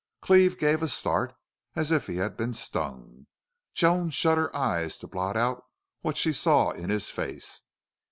Cleve gave a start as if he had been stung. Joan shut her eyes to blot out what she saw in his face.